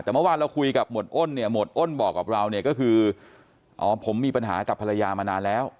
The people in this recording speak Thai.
แต่เมื่อวานเราคุยกับหมวดอ้นเนี่ยหมวดอ้นบอกกับเราเนี่ยก็คืออ๋อผมมีปัญหากับภรรยามานานแล้ว